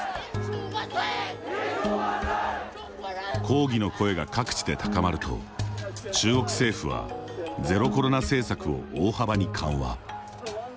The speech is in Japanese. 抗議の声が各地で高まると中国政府はゼロコロナ政策を大幅に緩和。